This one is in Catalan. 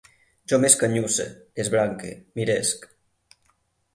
Jo m'escanyusse, esbranque, m'iresc